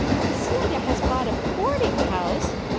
" Celia has bought a boarding house